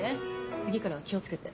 次からは気を付けて。